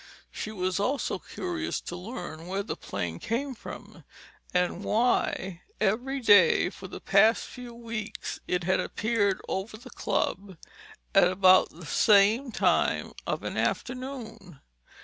She was also curious to learn where the plane came from; and why every day for the past few weeks it had appeared over the Club at about this same time of an afternoon.